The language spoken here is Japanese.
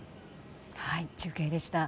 中継でした。